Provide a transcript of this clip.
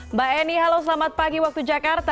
mbak eni halo selamat pagi waktu jakarta